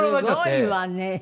すごいわね。